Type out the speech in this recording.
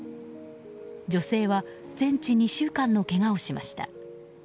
女性は全治２週間のけがをしました。